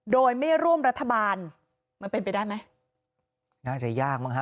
โดยไม่ร่วมรัฐบาลมันเป็นไปได้ไหมน่าจะยากมั้งฮะ